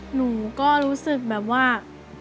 หนูก็รู้สึกแบบว่า